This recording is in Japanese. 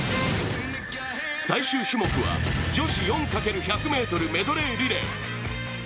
最終種目は女子４×１００ｍメドレーリレー。